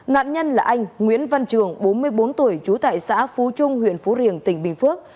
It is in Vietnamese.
nạn nhân là anh nguyễn văn trường bốn mươi bốn tuổi trú tại xã phú trung huyện phú riềng tỉnh bình phước